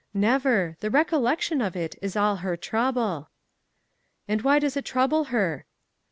'Never. The recollection of it is all her trouble.' 'And why does it trouble her?